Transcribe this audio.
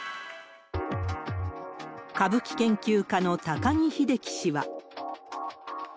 歌舞伎研究家の高木秀樹氏は。